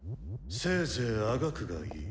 せいぜいあがくがいい。